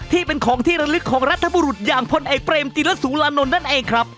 ที่เป็นของที่ระลึกของรัฐบุรุษอย่างพลเอกเปรมติลสุรานนท์นั่นเองครับ